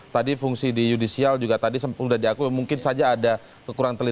tadi fungsi di judicial juga tadi sudah diakui mungkin saja ada kekurangan teliti